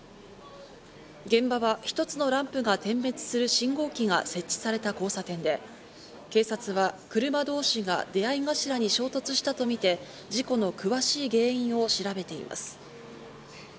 現場は１つのランプが点滅する信号機が設置された交差点で、警察は車同士が出会い頭に衝突したとみて、事故の詳しい原因を調べています。